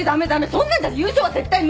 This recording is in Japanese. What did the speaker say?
そんなんじゃ優勝は絶対無理！